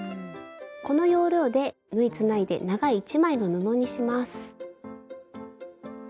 この要領で縫いつないで長い１枚の布にします。